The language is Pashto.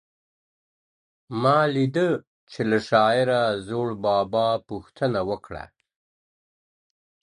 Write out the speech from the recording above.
ما لیده چي له شاعره زوړ بابا پوښتنه وکړه.